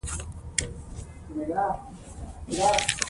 زده کړه ښځه د ځان لپاره مالي منابع پیدا کوي.